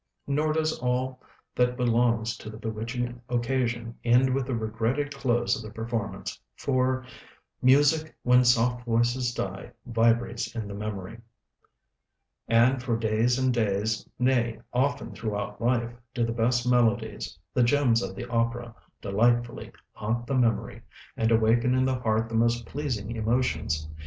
Nor does all that belongs to the bewitching occasion end with the regretted close of the performance; for "Music, when soft voices die, Vibrates in the memory;" And for days and days, nay, often throughout life, do the best melodies, the "gems of the opera," delightfully "haunt the memory," and awaken in the heart the most pleasing emotions.